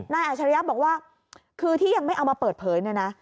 อาชริยะบอกว่าคือที่ยังไม่เอามาเปิดเผยเนี่ยนะ